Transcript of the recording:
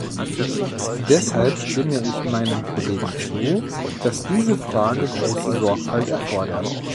Deshalb stimme ich meinen Kollegen zu, dass diese Frage große Sorgfalt erfordert.